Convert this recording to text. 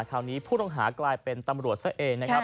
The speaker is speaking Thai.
คราวนี้ผู้ต้องหากลายเป็นตำรวจซะเองนะครับ